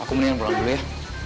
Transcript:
aku mendingan pulang dulu ya